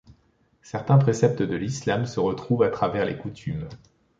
Certains préceptes de l’islam se retrouvent à travers les coutumes.